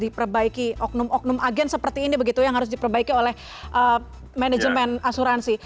diperbaiki oknum oknum agen seperti ini begitu yang harus diperbaiki oleh manajemen asuransi